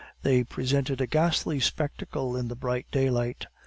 They presented a ghastly spectacle in the bright daylight.